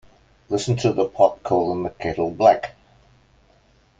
Listen to the pot calling the kettle black.